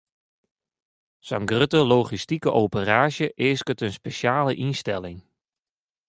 Sa'n grutte logistike operaasje easket in spesjale ynstelling.